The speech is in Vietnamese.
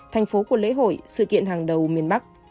thành phố của lễ hội sự kiện hàng đầu miền bắc